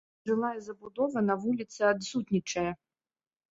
Жылая забудова на вуліцы адсутнічае.